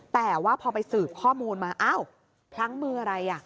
แต่ว่าพอไปสืบข้อมูลมาอ้าวพลั้งมืออะไร